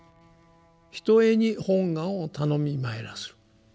「ひとへに本願をたのみまいらす」。